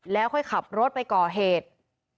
แล้วค่อยขับรถไปก่อเหตุ